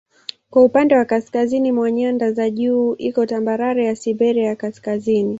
Kwa upande wa kaskazini mwa nyanda za juu iko tambarare ya Siberia ya Kaskazini.